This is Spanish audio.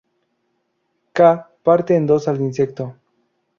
K parte en dos al insecto.